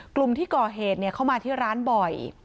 กลุ่มที่ก่อเหตุเข้ามาที่ร้านบ่อย